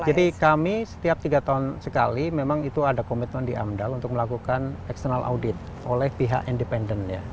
jadi kami setiap tiga tahun sekali memang itu ada komitmen di amdal untuk melakukan external audit oleh pihak independen